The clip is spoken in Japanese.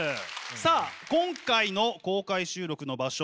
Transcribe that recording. さあ今回の公開収録の場所